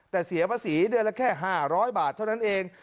แต่เสียภาษีเดือนละแค่๕๐๐บาทเท่านั้นเอง